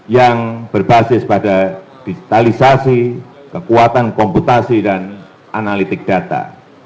yang berbasis pada digitalisasi kekuatan komputasi dan analitik data